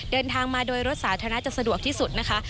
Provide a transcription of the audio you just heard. เดินทางมาโดยรถสาธารณะจะสะดวกที่สุดนะคะ